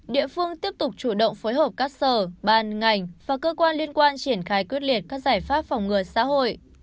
địa phương tiếp tục chủ động phối hợp các sở ban ngành và cơ quan liên quan triển khai quyết liệt các giải pháp phòng ngừa xã hội